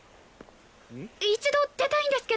一度出たいんですけど。